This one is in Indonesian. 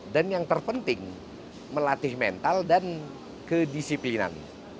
dan yang terpenting melatih mental dan kedisiplinan